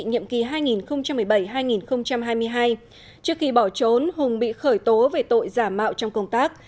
nhiệm kỳ hai nghìn một mươi bảy hai nghìn hai mươi hai trước khi bỏ trốn hùng bị khởi tố về tội giả mạo trong công tác